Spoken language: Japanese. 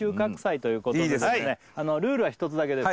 ルールは一つだけです